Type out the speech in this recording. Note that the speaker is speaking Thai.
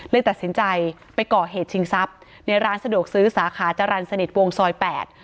เลยตัดสินใจไปก่อเหตุชิงทรัพย์ในร้านสะดวกซื้อสาขาจรรย์สนิทวงซอยแปด